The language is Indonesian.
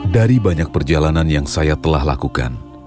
dari banyak perjalanan yang saya telah lakukan